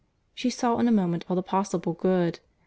She saw in a moment all the possible good.